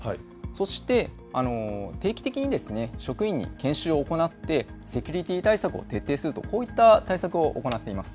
そして定期的に職員に研修を行って、セキュリティー対策を徹底すると、こういった対策を行っています。